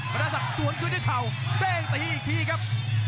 บรรทธิศักดิ์ดวนคืนได้เข่าเต้นตีอีกทีครับ